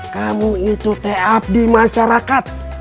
kamu itu teabdi masyarakat